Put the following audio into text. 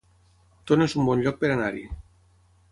Tona es un bon lloc per anar-hi